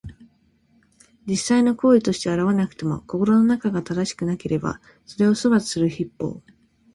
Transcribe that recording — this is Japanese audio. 実際の行為として現れなくても、心の中が正しくなければ、それを処罰する筆法。